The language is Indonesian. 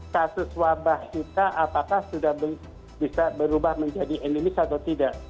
kasus wabah kita apakah sudah bisa berubah menjadi endemis atau tidak